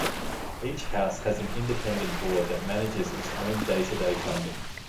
Each House has an independent board that manages its own day-to-day funding.